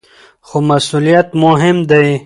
خو مسؤلیت مهم دی.